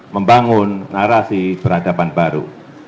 membangun narasi peradaban baru